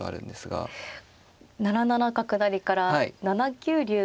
７七角成から７九竜が。